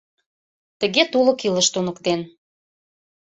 Тыге тулык илыш туныктен.